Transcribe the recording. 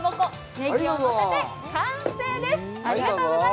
ねぎをのせて完成です。